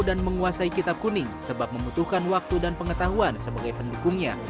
dan menguasai kitab kuning sebab membutuhkan waktu dan pengetahuan sebagai pendukungnya